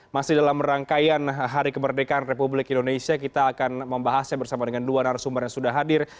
masih dalam rangkaian hari kemerdekaan republik indonesia kita akan membahasnya bersama dengan dua narasumber yang sudah hadir